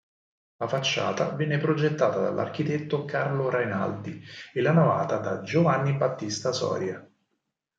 La facciata venne progettata dall'architetto Carlo Rainaldi e la navata da Giovanni Battista Soria.